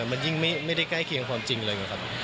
มันยิ่งไม่ได้ใกล้เคียงความจริงเลยนะครับ